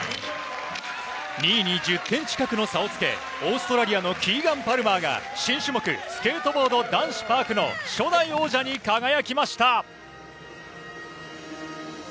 ２位に１０点近くの差をつけオーストラリアのキーガン・パルマーが新種目スケートボード男子パークの初代王者に輝きました。